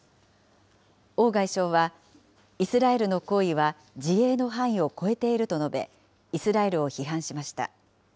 王外相は、イスラエルの行為は自衛の範囲をこえていると述べ、イスラエルを批判しました。